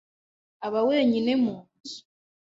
aba wenyine mu nzu.